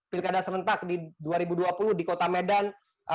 pilkada serentak di dua ribu dua puluh di kota medan